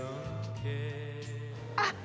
あっ！